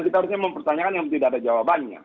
kita harusnya mempertanyakan yang tidak ada jawabannya